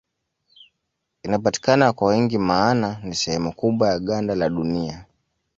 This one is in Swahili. Inapatikana kwa wingi maana ni sehemu kubwa ya ganda la Dunia.